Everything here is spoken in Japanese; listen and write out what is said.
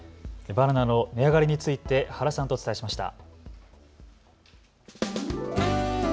バナナの値上がりについて原さんとお伝えしました。